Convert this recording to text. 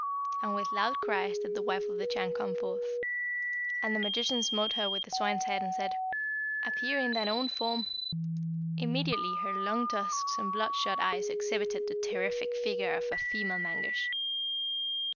And with loud cries did the wife of the Chan come forth, and the magician smote her with the swine's head, and said, 'Appear in thine own form!' Immediately her long tusks and bloodshot eyes exhibited the terrific figure of a female Mangusch.